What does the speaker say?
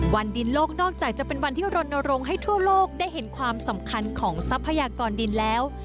วันดินโลกนอกจากจะเป็นวันที่รณรงค์ให้ทั่วโลกได้เห็นความสำคัญของทรัพยากรดินแล้ว